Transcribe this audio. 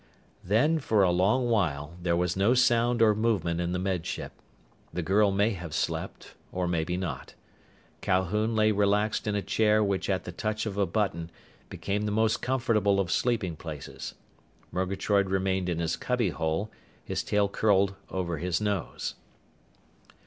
Then, for a long while, there was no sound or movement in the Med Ship. The girl may have slept, or maybe not. Calhoun lay relaxed in a chair which at the touch of a button became the most comfortable of sleeping places. Murgatroyd remained in his cubbyhole, his tail curled over his nose.